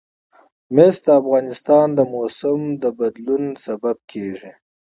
مس د افغانستان د موسم د بدلون سبب کېږي.